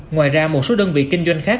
ngoài ra một số đơn vị kinh doanh khác